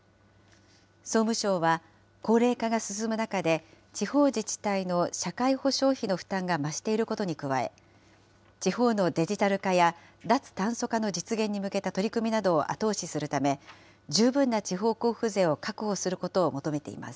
総務省は、高齢化が進む中で、地方自治体の社会保障費の負担が増していることに加え、地方のデジタル化や脱炭素化の実現に向けた取り組みなどを後押しするため、十分な地方交付税を確保することを求めています。